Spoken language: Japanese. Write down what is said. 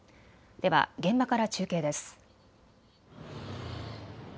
では現場から中継です。